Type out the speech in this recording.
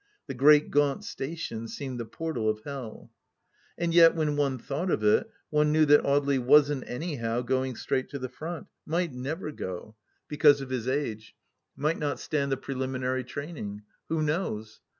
The great gaunt station seemed the portal of Hell. ... And yet, when one thought of it, one knew that Audely wasn't, anyhow, going straight to the front; might never go. 164 THE LAST DITCH because of his age; might not stand the preliminary training? Who knows